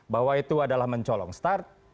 bahwa itu adalah mencolong start